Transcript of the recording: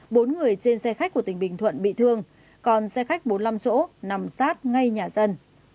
bốn người trên xe khách của tỉnh bình thuận bị thương còn xe khách bốn mươi năm chỗ nằm sát ngay nhà dân